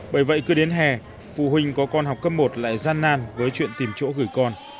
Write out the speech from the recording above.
bởi vậy cứ đến hè phụ huynh có con học cấp một lại gian nan với chuyện tìm chỗ gửi con